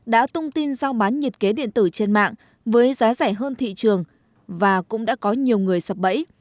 đã tung tin giao bán nhiệt kế điện tử trên mạng với giá rẻ hơn thị trường và cũng đã có nhiều người sập bẫy